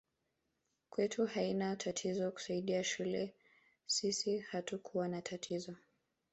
Kwetu haina tatizo kusaidia shule sisi hatukua na tatizo